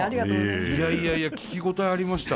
いやいやいや聴き応えありました。